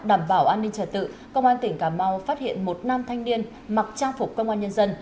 đảm bảo an ninh trả tự công an tỉnh cà mau phát hiện một nam thanh niên mặc trang phục công an nhân dân